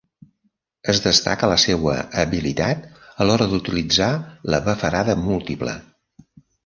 Es destaca la seua habilitat a l'hora d'utilitzar la bafarada múltiple.